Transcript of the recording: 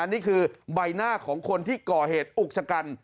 นี่คือใบหน้าของคนที่ก่อเหตุอุกชะกัน